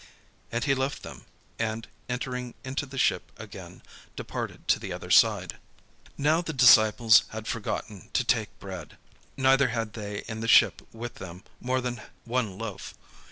And he left them, and entering into the ship again departed to the other side. Now the disciples had forgotten to take bread, neither had they in the ship with them more than one loaf.